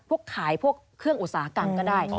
ขายพวกเครื่องอุตสาหกรรมก็ได้